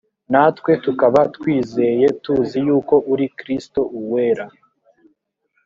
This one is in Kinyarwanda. natwe tukaba twizeye tuzi yuko uri kristo uwera